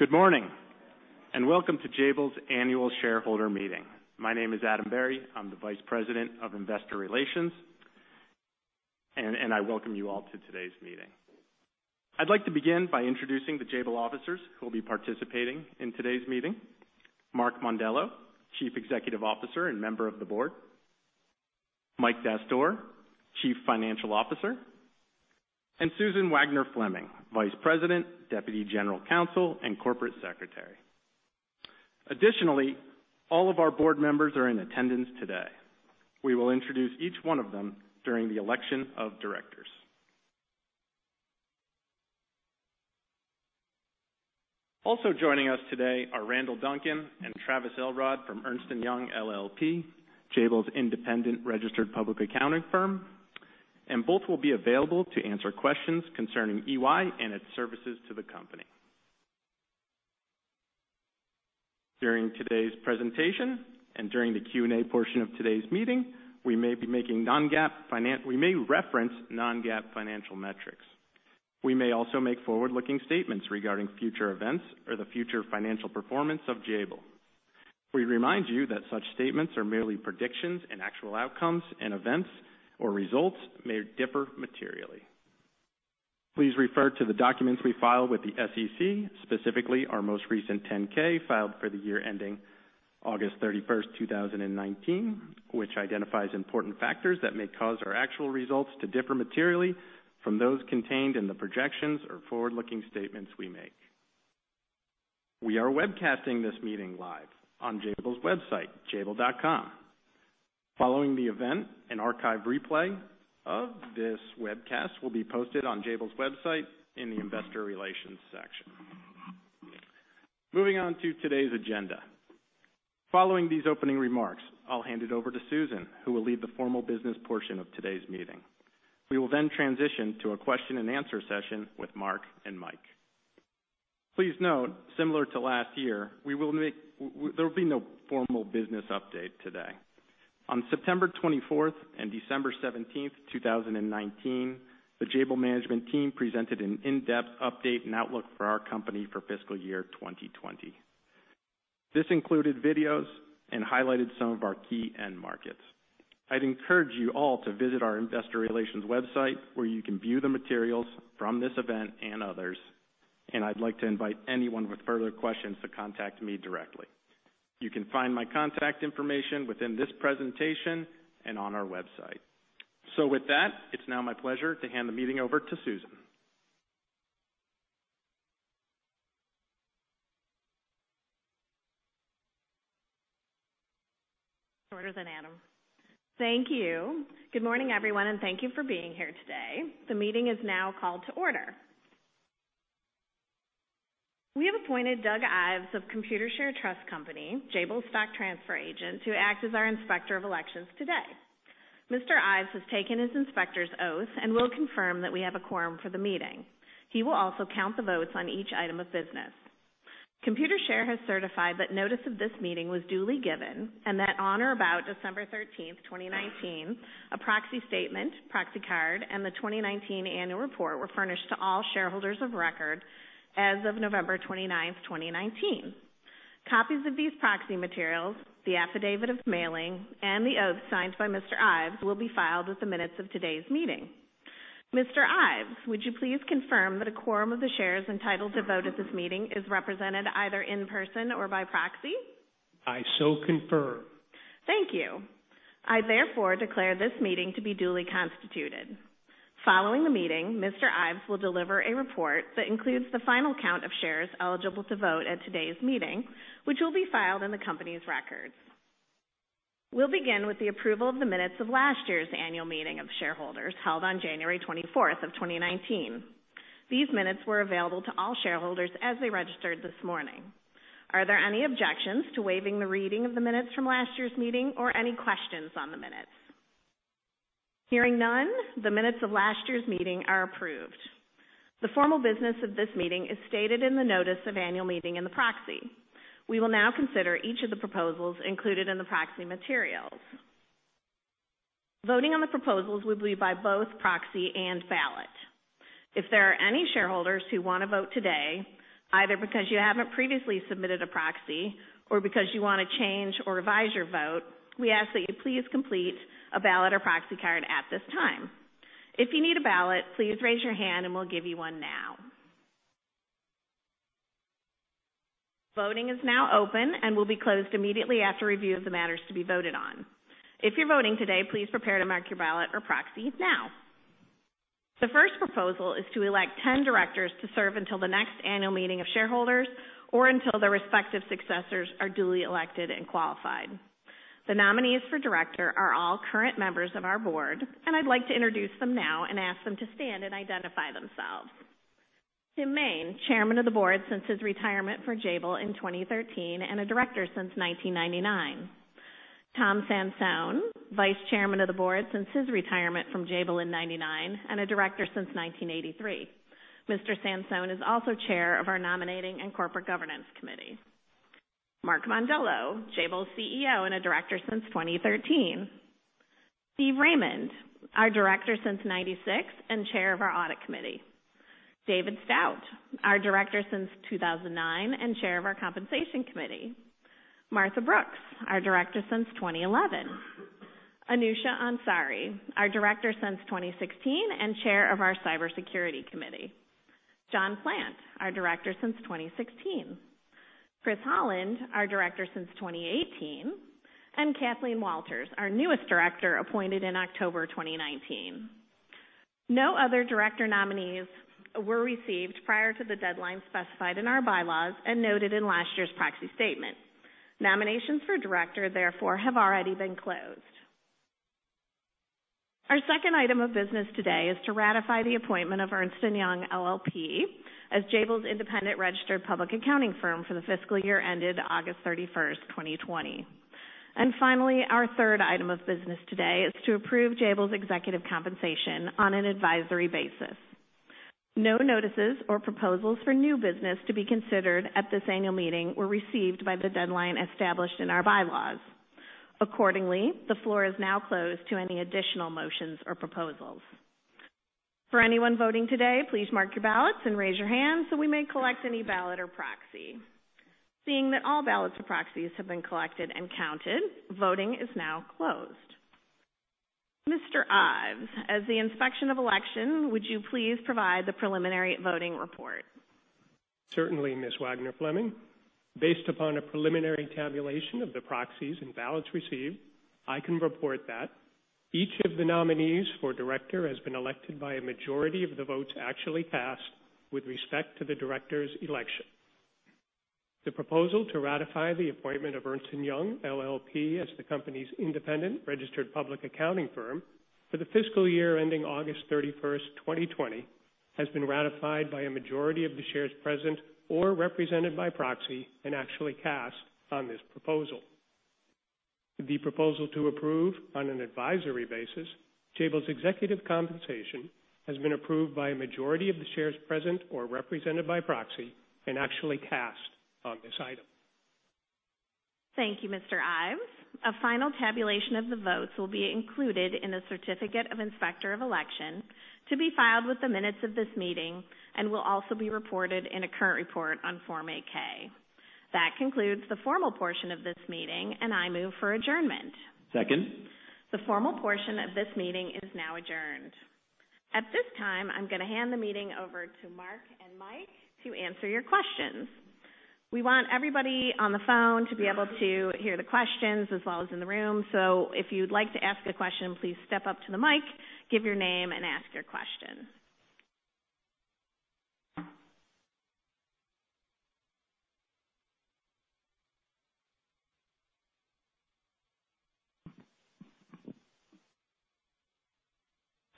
Good morning and welcome to Jabil's annual shareholder meeting. My name is Adam Berry. I'm the Vice President of Investor Relations, and I welcome you all to today's meeting. I'd like to begin by introducing the Jabil officers who will be participating in today's meeting: Mark Mondello, Chief Executive Officer and Member of the Board. Mike Dastoor, Chief Financial Officer. And Susan Wagner-Fleming, Vice President, Deputy General Counsel, and Corporate Secretary. Additionally, all of our board members are in attendance today. We will introduce each one of them during the election of directors. Also joining us today are Randall Duncan and Travis Elrod from Ernst & Young LLP, Jabil's independent registered public accounting firm, and both will be available to answer questions concerning EY and its services to the company. During today's presentation and during the Q&A portion of today's meeting, we may reference Non-GAAP financial metrics. We may also make forward-looking statements regarding future events or the future financial performance of Jabil. We remind you that such statements are merely predictions, and actual outcomes and events or results may differ materially. Please refer to the documents we file with the SEC, specifically our most recent 10-K filed for the year ending August 31, 2019, which identifies important factors that may cause our actual results to differ materially from those contained in the projections or forward-looking statements we make. We are webcasting this meeting live on Jabil's website, jabil.com. Following the event, an archive replay of this webcast will be posted on Jabil's website in the Investor Relations section. Moving on to today's agenda. Following these opening remarks, I'll hand it over to Susan, who will lead the formal business portion of today's meeting. We will then transition to a question-and-answer session with Mark and Mike. Please note, similar to last year, there will be no formal business update today. On September 24 and December 17, 2019, the Jabil Management Team presented an in-depth update and outlook for our company for fiscal year 2020. This included videos and highlighted some of our key end markets. I'd encourage you all to visit our Investor Relations website, where you can view the materials from this event and others, and I'd like to invite anyone with further questions to contact me directly. You can find my contact information within this presentation and on our website. So with that, it's now my pleasure to hand the meeting over to Susan. Orders and Adam. Thank you. Good morning, everyone, and thank you for being here today. The meeting is now called to order. We have appointed Doug Ives of Computershare Trust Company, Jabil's stock transfer agent, to act as our inspector of elections today. Mr. Ives has taken his inspector's oath and will confirm that we have a quorum for the meeting. He will also count the votes on each item of business. Computershare has certified that notice of this meeting was duly given and that on or about December 13, 2019, a proxy statement, proxy card, and the 2019 annual report were furnished to all shareholders of record as of November 29, 2019. Copies of these proxy materials, the affidavit of mailing, and the oath signed by Mr. Ives will be filed at the minutes of today's meeting. Mr. Ives, would you please confirm that a quorum of the shares entitled to vote at this meeting is represented either in person or by proxy? I so confirm. Thank you. I therefore declare this meeting to be duly constituted. Following the meeting, Mr. Ives will deliver a report that includes the final count of shares eligible to vote at today's meeting, which will be filed in the company's records. We'll begin with the approval of the minutes of last year's annual meeting of shareholders held on January 24, 2019. These minutes were available to all shareholders as they registered this morning. Are there any objections to waiving the reading of the minutes from last year's meeting or any questions on the minutes? Hearing none, the minutes of last year's meeting are approved. The formal business of this meeting is stated in the notice of annual meeting and the proxy. We will now consider each of the proposals included in the proxy materials. Voting on the proposals will be by both proxy and ballot. If there are any shareholders who want to vote today, either because you haven't previously submitted a proxy or because you want to change or revise your vote, we ask that you please complete a ballot or proxy card at this time. If you need a ballot, please raise your hand and we'll give you one now. Voting is now open and will be closed immediately after review of the matters to be voted on. If you're voting today, please prepare to mark your ballot or proxy now. The first proposal is to elect 10 directors to serve until the next annual meeting of shareholders or until their respective successors are duly elected and qualified. The nominees for director are all current members of our board, and I'd like to introduce them now and ask them to stand and identify themselves. Tim Main, Chairman of the Board since his retirement from Jabil in 2013 and a director since 1999. Tom Sansone, Vice Chairman of the Board since his retirement from Jabil in 1999 and a director since 1983. Mr. Sansone is also Chair of our Nominating and Corporate Governance Committee. Mark Mondello, Jabil's CEO and a director since 2013. Steve Raymund, our director since 1996 and Chair of our Audit Committee. David Stout, our director since 2009 and Chair of our Compensation Committee. Martha Brooks, our director since 2011. Anousheh Ansari, our director since 2016 and Chair of our Cybersecurity Committee. John Plant, our director since 2016. Chris Holland, our director since 2018. And Kathleen Walters, our newest director appointed in October 2019. No other director nominees were received prior to the deadline specified in our bylaws and noted in last year's proxy statement. Nominations for director, therefore, have already been closed. Our second item of business today is to ratify the appointment of Ernst & Young LLP as Jabil's independent registered public accounting firm for the fiscal year ended August 31, 2020. And finally, our third item of business today is to approve Jabil's executive compensation on an advisory basis. No notices or proposals for new business to be considered at this annual meeting were received by the deadline established in our bylaws. Accordingly, the floor is now closed to any additional motions or proposals. For anyone voting today, please mark your ballots and raise your hand so we may collect any ballot or proxy. Seeing that all ballots or proxies have been collected and counted, voting is now closed. Mr. Ives, as the inspector of elections, would you please provide the preliminary voting report? Certainly, Ms. Wagner-Fleming. Based upon a preliminary tabulation of the proxies and ballots received, I can report that each of the nominees for director has been elected by a majority of the votes actually cast with respect to the director's election. The proposal to ratify the appointment of Ernst & Young LLP as the company's independent registered public accounting firm for the fiscal year ending August 31, 2020, has been ratified by a majority of the shares present or represented by proxy and actually cast on this proposal. The proposal to approve on an advisory basis, Jabil's executive compensation has been approved by a majority of the shares present or represented by proxy and actually cast on this item. Thank you, Mr. Ives. A final tabulation of the votes will be included in the certificate of inspector of election to be filed with the minutes of this meeting and will also be reported in a current report on Form 8-K. That concludes the formal portion of this meeting, and I move for adjournment. Second. The formal portion of this meeting is now adjourned. At this time, I'm going to hand the meeting over to Mark and Mike to answer your questions. We want everybody on the phone to be able to hear the questions as well as in the room, so if you'd like to ask a question, please step up to the mic, give your name, and ask your question.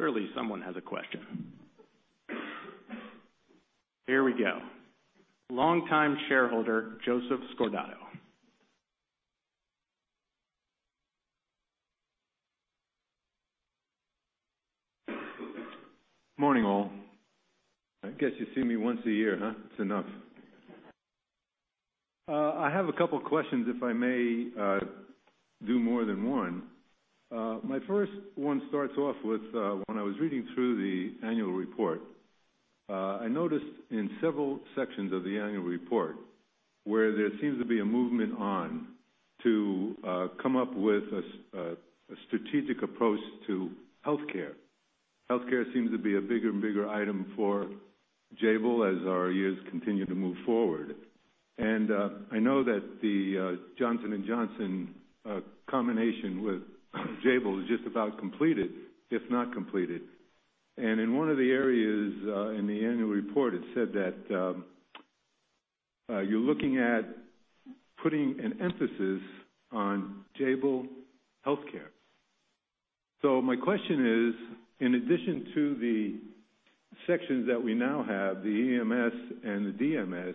Surely someone has a question. Here we go. Longtime shareholder Joseph Scordato. Morning, all. I guess you see me once a year, huh? It's enough. I have a couple of questions, if I may do more than one. My first one starts off with when I was reading through the annual report. I noticed in several sections of the annual report where there seems to be a movement on to come up with a strategic approach to healthcare. Healthcare seems to be a bigger and bigger item for Jabil as our years continue to move forward. And I know that the Johnson & Johnson combination with Jabil is just about completed, if not completed. And in one of the areas in the annual report, it said that you're looking at putting an emphasis on Jabil Healthcare. So my question is, in addition to the sections that we now have, the EMS and the DMS,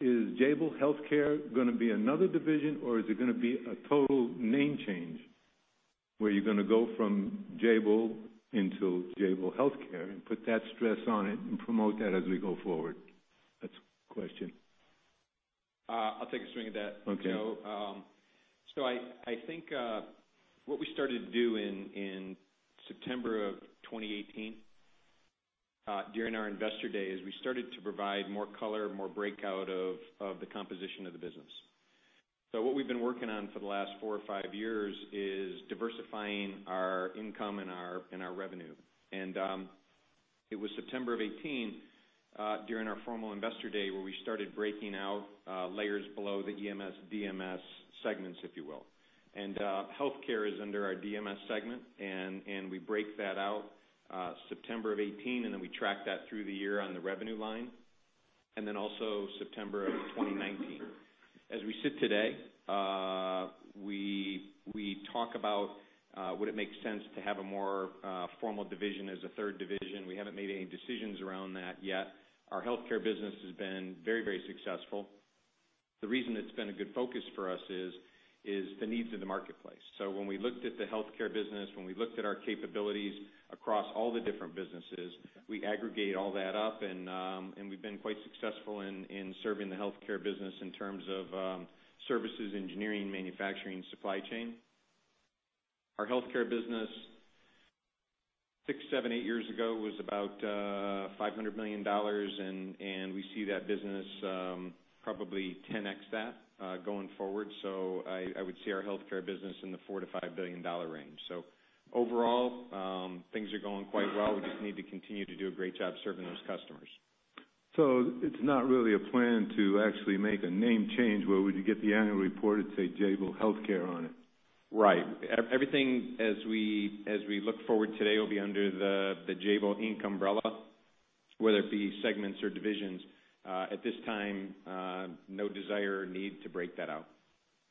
is Jabil Healthcare going to be another division, or is it going to be a total name change where you're going to go from Jabil into Jabil Healthcare and put that stress on it and promote that as we go forward? That's the question. I'll take a swing at that. Okay. So I think what we started to do in September of 2018 during our investor day is we started to provide more color, more breakout of the composition of the business. So what we've been working on for the last four or five years is diversifying our income and our revenue. And it was September of 2018 during our formal investor day where we started breaking out layers below the EMS, DMS segments, if you will. And healthcare is under our DMS segment, and we break that out September of 2018, and then we track that through the year on the revenue line. And then also September of 2019. As we sit today, we talk about would it make sense to have a more formal division as a third division. We haven't made any decisions around that yet. Our healthcare business has been very, very successful. The reason it's been a good focus for us is the needs of the marketplace. So when we looked at the healthcare business, when we looked at our capabilities across all the different businesses, we aggregate all that up, and we've been quite successful in serving the healthcare business in terms of services, engineering, manufacturing, supply chain. Our healthcare business, six, seven, eight years ago, was about $500 million, and we see that business probably 10x that going forward. So I would see our healthcare business in the $4-$5 billion range. So overall, things are going quite well. We just need to continue to do a great job serving those customers. So it's not really a plan to actually make a name change where we'd get the annual report to say Jabil Healthcare on it. Right. Everything as we look forward today will be under the Jabil Inc umbrella, whether it be segments or divisions. At this time, no desire or need to break that out.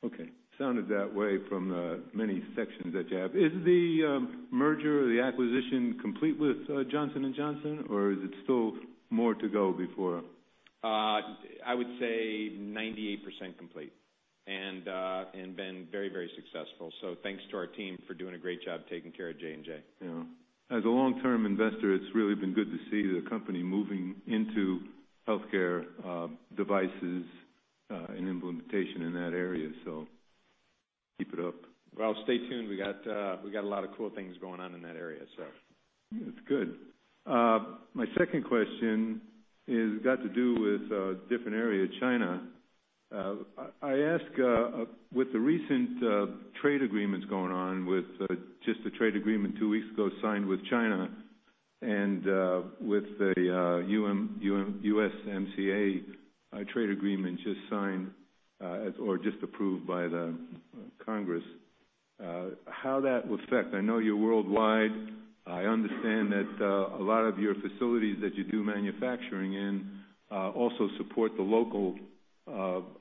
Okay. Sounded that way from the many sections that you have. Is the merger or the acquisition complete with Johnson & Johnson, or is it still more to go before? I would say 98% complete and been very, very successful. So thanks to our team for doing a great job taking care of J&J. Yeah. As a long-term investor, it's really been good to see the company moving into healthcare devices and implementation in that area. So keep it up. Well, stay tuned. We've got a lot of cool things going on in that area, so. That's good. My second question has got to do with a different area, China. I ask with the recent trade agreements going on with just the trade agreement two weeks ago signed with China and with the USMCA trade agreement just signed or just approved by the Congress, how that will affect? I know you're worldwide. I understand that a lot of your facilities that you do manufacturing in also support the local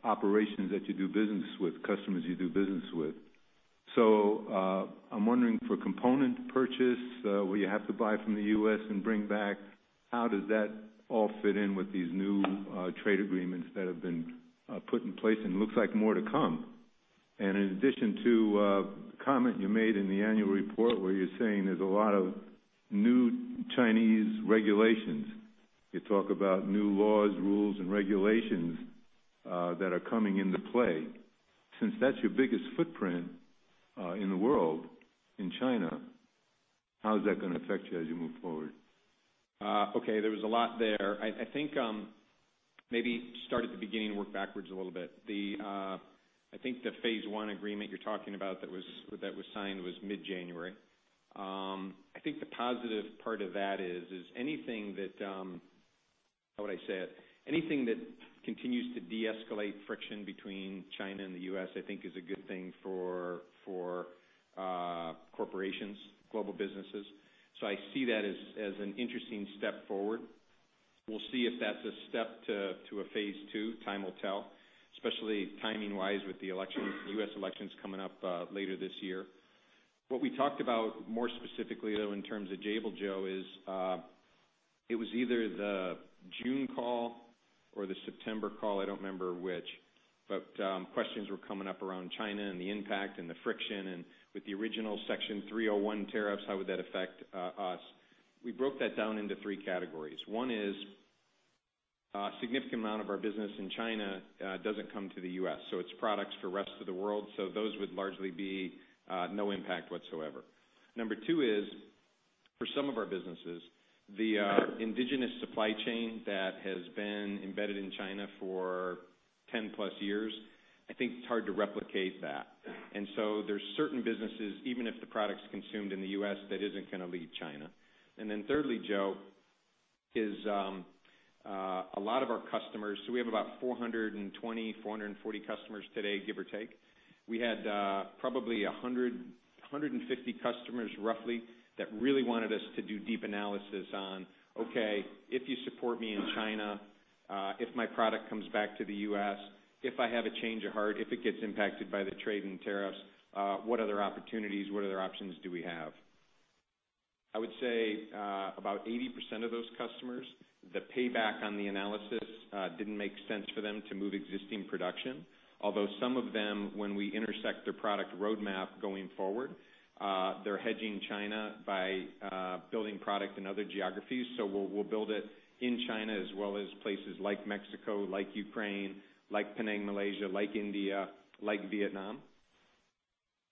operations that you do business with, customers you do business with. So I'm wondering for component purchase, where you have to buy from the U.S. and bring back, how does that all fit in with these new trade agreements that have been put in place? And it looks like more to come. And in addition to the comment you made in the annual report where you're saying there's a lot of new Chinese regulations, you talk about new laws, rules, and regulations that are coming into play. Since that's your biggest footprint in the world in China, how is that going to affect you as you move forward? Okay. There was a lot there. I think maybe start at the beginning and work backwards a little bit. I think the phase one agreement you're talking about that was signed was mid-January. I think the positive part of that is anything that, how would I say it?, anything that continues to de-escalate friction between China and the U.S., I think, is a good thing for corporations, global businesses. So I see that as an interesting step forward. We'll see if that's a step to a phase two. Time will tell, especially timing-wise with the elections, U.S. elections coming up later this year. What we talked about more specifically, though, in terms of Jabil, Joe, is it was either the June call or the September call. I don't remember which. But questions were coming up around China and the impact and the friction. And with the original Section 301 tariffs, how would that affect us? We broke that down into three categories. One is a significant amount of our business in China doesn't come to the U.S., so it's products for the rest of the world. So those would largely be no impact whatsoever. Number two is, for some of our businesses, the indigenous supply chain that has been embedded in China for 10-plus years, I think it's hard to replicate that. And so there's certain businesses, even if the product's consumed in the U.S., that isn't going to leave China. And then thirdly, Joe, is a lot of our customers, so we have about 420-440 customers today, give or take. We had probably 150 customers, roughly, that really wanted us to do deep analysis on, "Okay, if you support me in China, if my product comes back to the US, if I have a change of heart, if it gets impacted by the trade and tariffs, what other opportunities, what other options do we have?" I would say about 80% of those customers, the payback on the analysis didn't make sense for them to move existing production. Although some of them, when we intersect their product roadmap going forward, they're hedging China by building product in other geographies. So we'll build it in China as well as places like Mexico, like Ukraine, like Penang, Malaysia, like India, like Vietnam.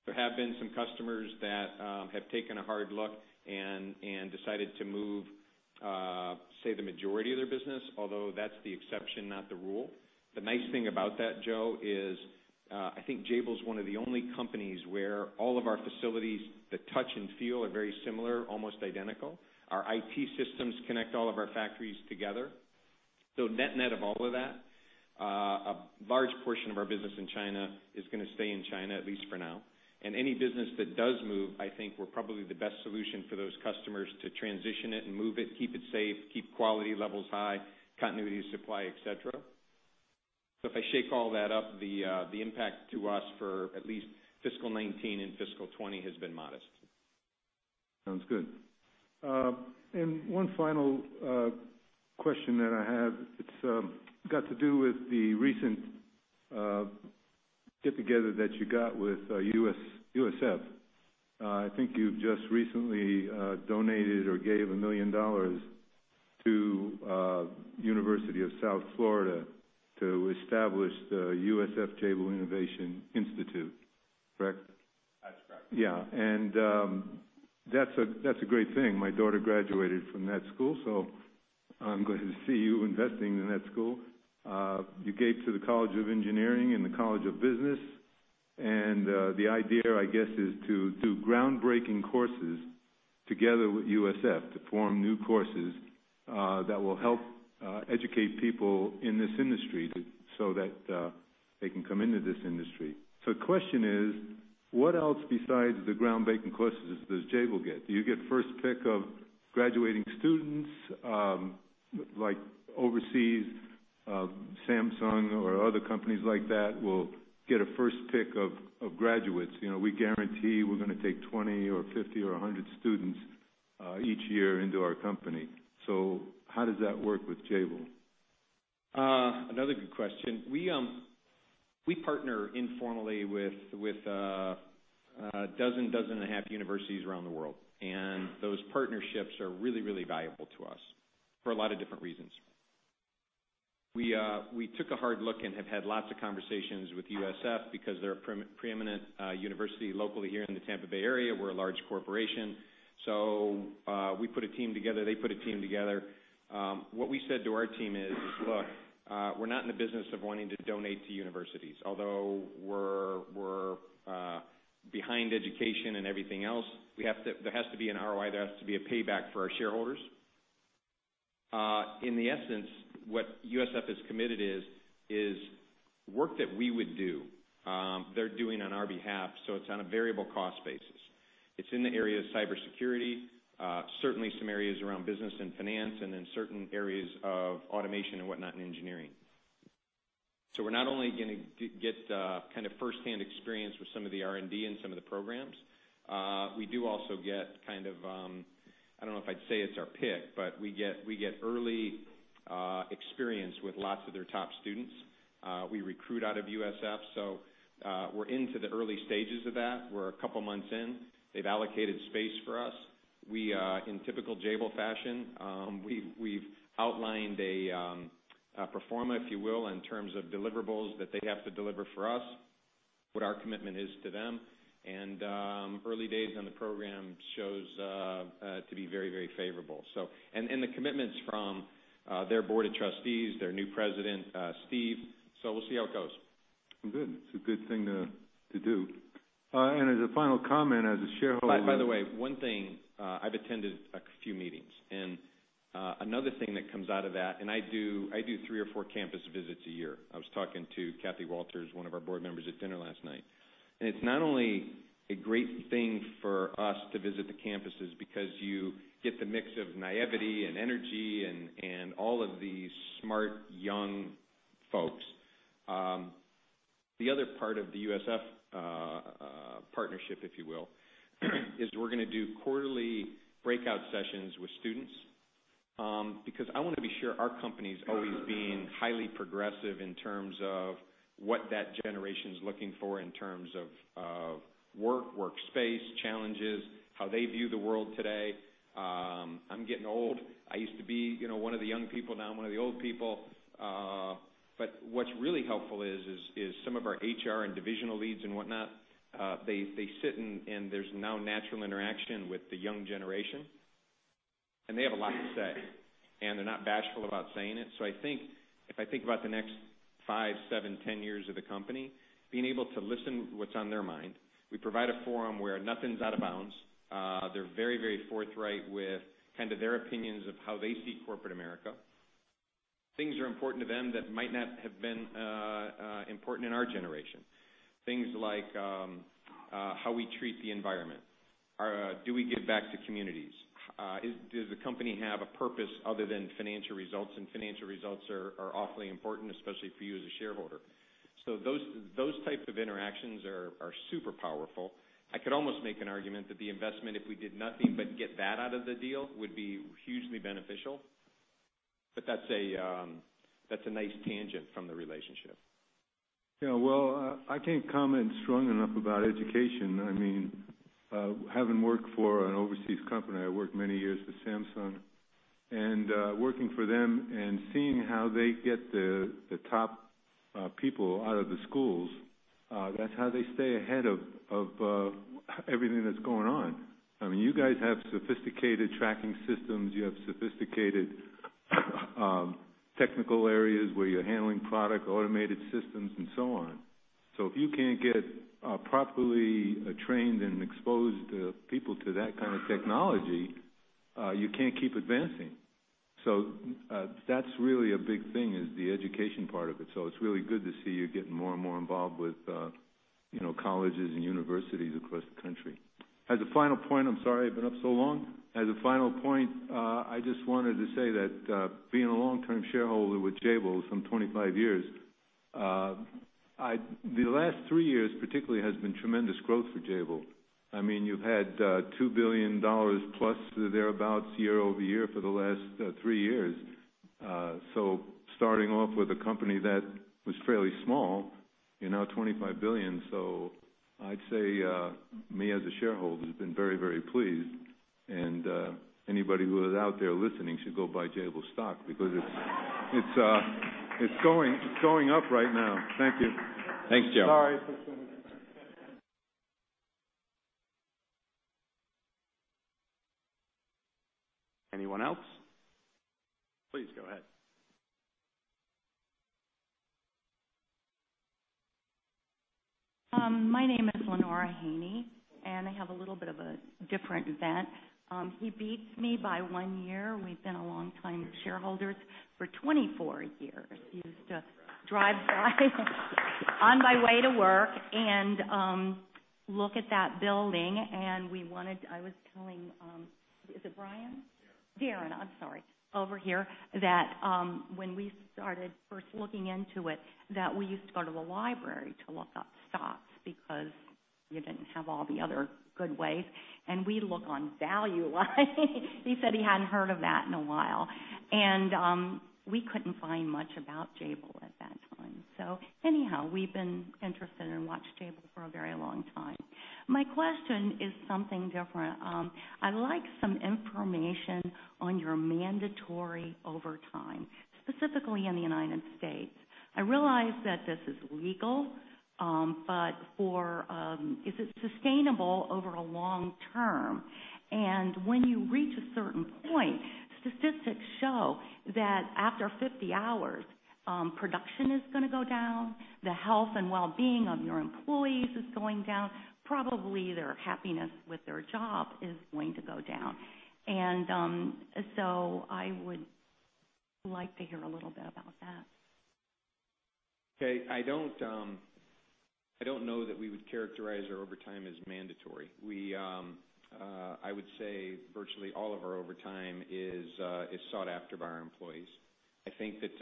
There have been some customers that have taken a hard look and decided to move, say, the majority of their business, although that's the exception, not the rule. The nice thing about that, Joe, is I think Jabil's one of the only companies where all of our facilities, the touch and feel, are very similar, almost identical. Our IT systems connect all of our factories together. So net-net of all of that, a large portion of our business in China is going to stay in China, at least for now. And any business that does move, I think we're probably the best solution for those customers to transition it and move it, keep it safe, keep quality levels high, continuity of supply, etc. So if I shake all that up, the impact to us for at least fiscal 2019 and fiscal 2020 has been modest. Sounds good. And one final question that I have. It's got to do with the recent get-together that you got with USF. I think you've just recently donated or gave $1 million to the University of South Florida to establish the USF Jabil Innovation Institute, correct? That's correct. Yeah. And that's a great thing. My daughter graduated from that school, so I'm glad to see you investing in that school. You gave to the College of Engineering and the College of Business. And the idea, I guess, is to do groundbreaking courses together with USF to form new courses that will help educate people in this industry so that they can come into this industry. So the question is, what else besides the groundbreaking courses does Jabil get? Do you get first pick of graduating students? Overseas, Samsung or other companies like that will get a first pick of graduates. We guarantee we're going to take 20 or 50 or 100 students each year into our company. So how does that work with Jabil? Another good question. We partner informally with a dozen, dozen and a half universities around the world. And those partnerships are really, really valuable to us for a lot of different reasons. We took a hard look and have had lots of conversations with USF because they're a preeminent university locally here in the Tampa Bay area. We're a large corporation. So we put a team together. They put a team together. What we said to our team is, "Look, we're not in the business of wanting to donate to universities. Although we're behind education and everything else, there has to be an ROI. There has to be a payback for our shareholders." In the essence, what USF has committed is work that we would do, they're doing on our behalf. So it's on a variable cost basis. It's in the area of cybersecurity, certainly some areas around business and finance, and then certain areas of automation and whatnot and engineering. So we're not only going to get kind of firsthand experience with some of the R&D and some of the programs. We do also get kind of - I don't know if I'd say it's our pick, but we get early experience with lots of their top students. We recruit out of USF. So we're into the early stages of that. We're a couple of months in. They've allocated space for us. In typical Jabil fashion, we've outlined a pro forma, if you will, in terms of deliverables that they have to deliver for us, what our commitment is to them. And early days on the program show to be very, very favorable. And the commitments from their board of trustees, their new president, Steve. So we'll see how it goes. Good. It's a good thing to do. And as a final comment, as a shareholder. By the way, one thing, I've attended a few meetings, and another thing that comes out of that, and I do three or four campus visits a year. I was talking to Kathy Walters, one of our board members, at dinner last night, and it's not only a great thing for us to visit the campuses because you get the mix of naivety and energy and all of these smart, young folks. The other part of the USF partnership, if you will, is we're going to do quarterly breakout sessions with students because I want to be sure our company's always being highly progressive in terms of what that generation's looking for in terms of work, workspace, challenges, how they view the world today. I'm getting old. I used to be one of the young people. Now I'm one of the old people. But what's really helpful is some of our HR and divisional leads and whatnot. They sit and there's now natural interaction with the young generation. And they have a lot to say. And they're not bashful about saying it. So I think if I think about the next five, seven, 10 years of the company, being able to listen to what's on their mind. We provide a forum where nothing's out of bounds. They're very, very forthright with kind of their opinions of how they see corporate America. Things are important to them that might not have been important in our generation. Things like how we treat the environment. Do we give back to communities? Does the company have a purpose other than financial results? And financial results are awfully important, especially for you as a shareholder. So those types of interactions are super powerful. I could almost make an argument that the investment, if we did nothing but get that out of the deal, would be hugely beneficial. But that's a nice tangent from the relationship. Yeah, well, I can't comment strongly enough about education. I mean, having worked for an overseas company, I worked many years with Samsung, and working for them and seeing how they get the top people out of the schools, that's how they stay ahead of everything that's going on. I mean, you guys have sophisticated tracking systems. You have sophisticated technical areas where you're handling product, automated systems, and so on, so if you can't get properly trained and exposed people to that kind of technology, you can't keep advancing, so that's really a big thing is the education part of it, so it's really good to see you getting more and more involved with colleges and universities across the country. As a final point, I'm sorry I've been up so long. As a final point, I just wanted to say that being a long-term shareholder with Jabil, some 25 years, the last three years particularly has been tremendous growth for Jabil. I mean, you've had $2 billion plus thereabouts year over year for the last three years. So starting off with a company that was fairly small, now $25 billion. So I'd say me as a shareholder has been very, very pleased. And anybody who is out there listening should go buy Jabil stock because it's going up right now. Thank you. Thanks, Joe. Sorry for so much. Anyone else? Please go ahead. My name is Lenora Haney, and I have a little bit of a different event. He beats me by one year. We've been a longtime shareholders for 24 years. He used to drive by on my way to work and look at that building. And we wanted, I was telling, is it Brian? Darin. Darin. I'm sorry. Over here, that when we started first looking into it, that we used to go to the library to look up stocks because you didn't have all the other good ways, and we look on Value Line. He said he hadn't heard of that in a while, and we couldn't find much about Jabil at that time, so anyhow, we've been interested and watched Jabil for a very long time. My question is something different. I'd like some information on your mandatory overtime, specifically in the United States. I realize that this is legal, but is it sustainable over a long term, and when you reach a certain point, statistics show that after 50 hours, production is going to go down. The health and well-being of your employees is going down. Probably their happiness with their job is going to go down. And so I would like to hear a little bit about that. Okay. I don't know that we would characterize our overtime as mandatory. I would say virtually all of our overtime is sought after by our employees. I think that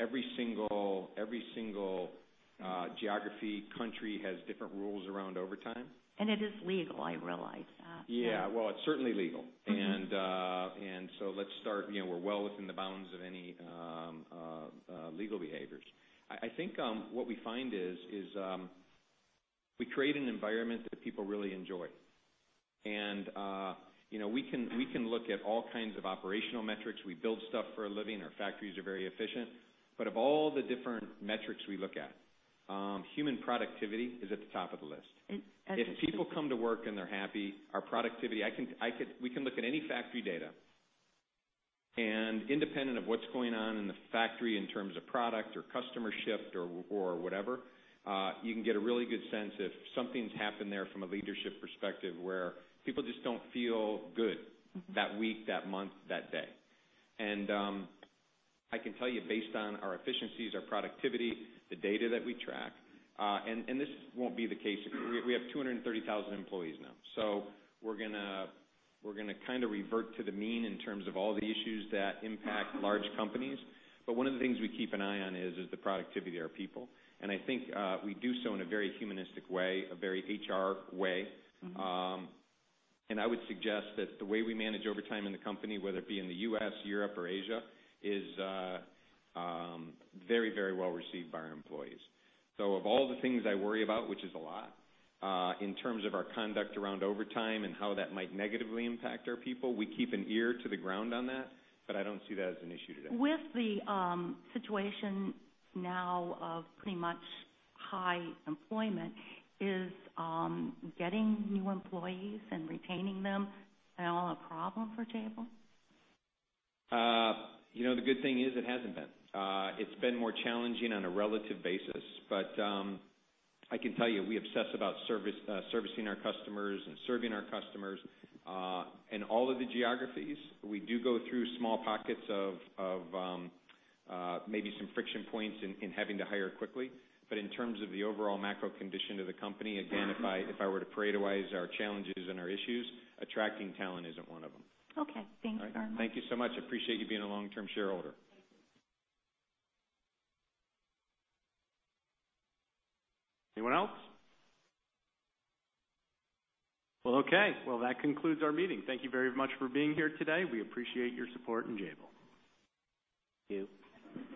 every single geography, country has different rules around overtime. It is legal, I realize that. Yeah. Well, it's certainly legal. And so let's start. We're well within the bounds of any legal behaviors. I think what we find is we create an environment that people really enjoy. And we can look at all kinds of operational metrics. We build stuff for a living. Our factories are very efficient. But of all the different metrics we look at, human productivity is at the top of the list. It's interesting. If people come to work and they're happy, our productivity, we can look at any factory data. And independent of what's going on in the factory in terms of product or customer shift or whatever, you can get a really good sense if something's happened there from a leadership perspective where people just don't feel good that week, that month, that day. And I can tell you based on our efficiencies, our productivity, the data that we track, and this won't be the case if we have 230,000 employees now. So we're going to kind of revert to the mean in terms of all the issues that impact large companies. But one of the things we keep an eye on is the productivity of our people. And I think we do so in a very humanistic way, a very HR way. And I would suggest that the way we manage overtime in the company, whether it be in the U.S., Europe, or Asia, is very, very well received by our employees. So of all the things I worry about, which is a lot, in terms of our conduct around overtime and how that might negatively impact our people, we keep an ear to the ground on that. But I don't see that as an issue today. With the situation now of pretty much high employment, is getting new employees and retaining them at all a problem for Jabil? The good thing is it hasn't been. It's been more challenging on a relative basis. But I can tell you we obsess about servicing our customers and serving our customers. In all of the geographies, we do go through small pockets of maybe some friction points in having to hire quickly. But in terms of the overall macro condition of the company, again, if I were to parade our challenges and our issues, attracting talent isn't one of them. Okay. Thank you very much. All right. Thank you so much. I appreciate you being a long-term shareholder. Thank you. Anyone else? Well, okay. Well, that concludes our meeting. Thank you very much for being here today. We appreciate your support in Jabil. Thank you.